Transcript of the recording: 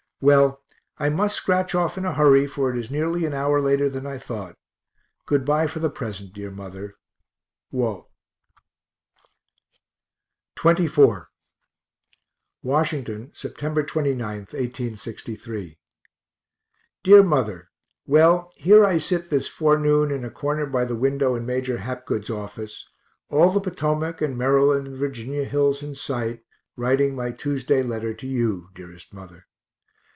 Well, I must scratch off in a hurry, for it is nearly an hour [later] than I thought. Good bye for the present, dear mother. WALT. XXIV Washington, Sept. 29, 1863. DEAR MOTHER Well, here I sit this forenoon in a corner by the window in Major Hapgood's office, all the Potomac, and Maryland, and Virginia hills in sight, writing my Tuesday letter to you, dearest mother.